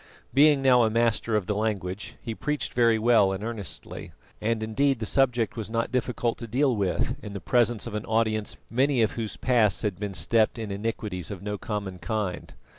Being now a master of the language, he preached very well and earnestly, and indeed the subject was not difficult to deal with in the presence of an audience many of whose pasts had been steeped in iniquities of no common kind.